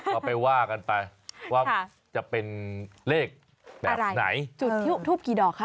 เอาไปว่ากันไปค่ะว่าจะเป็นเลขแบบไหนอะไรจุดทูบทูบกี่ดอกฮะ